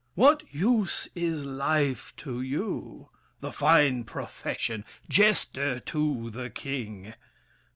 What use is life To you? The fine profession! Jester to the King!